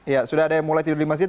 ya sudah ada yang mulai tidur di masjid